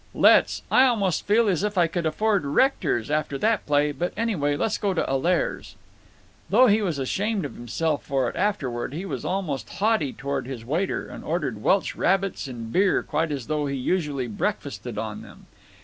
"Let's—I almost feel as if I could afford Rector's, after that play; but, anyway, let's go to Allaire's." Though he was ashamed of himself for it afterward, he was almost haughty toward his waiter, and ordered Welsh rabbits and beer quite as though he usually breakfasted on them.